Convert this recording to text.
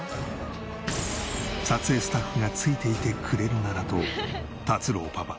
撮影スタッフがついていてくれるならと達郎パパ